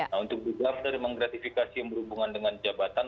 nah untuk dugaan penerimaan gratifikasi yang berhubungan dengan jabatan